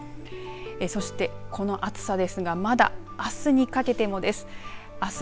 そしてこの暑さですがまだあすにかけてもです。